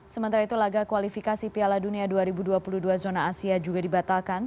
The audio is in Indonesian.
sementara itu laga kualifikasi piala dunia dua ribu dua puluh dua zona asia juga dibatalkan